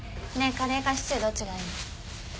カレーかシチューどっちがいい？